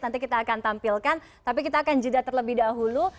nanti kita akan tampilkan tapi kita akan jeda terlebih dahulu